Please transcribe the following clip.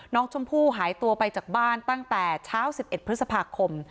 น้องชมพู่หายตัวไปจากบ้านตั้งแต่เช้า๑๑พฤษภาคม